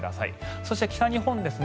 そして、北日本ですね。